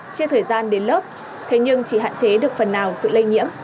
chia thời gian đến lớp thế nhưng chỉ hạn chế được phần nào sự lây nhiễm